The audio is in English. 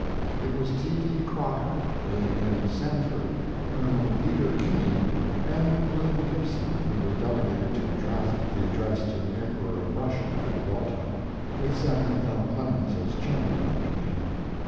It was T. D. Crocker, A. N. Sanford, Col. Peter Kinney, and William Gibson who were delegated to draft the address to the Emperor of Russia at Yalta, with Samuel L. Clemens as chairman of that committee.